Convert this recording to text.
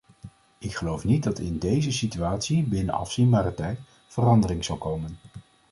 Ik geloof niet dat in deze situatie binnen afzienbare tijd verandering zal komen.